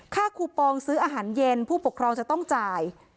คูปองซื้ออาหารเย็นผู้ปกครองจะต้องจ่าย